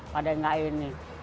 padahal nggak ini